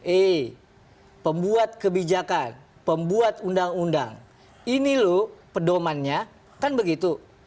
eh pembuat kebijakan pembuat undang undang ini loh pedomannya kan begitu